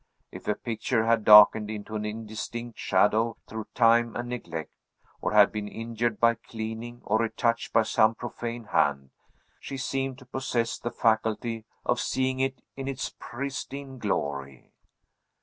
If a picture had darkened into an indistinct shadow through time and neglect, or had been injured by cleaning, or retouched by some profane hand, she seemed to possess the faculty of seeing it in its pristine glory.